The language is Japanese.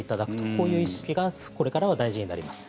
こういう意識がこれからは大事になります。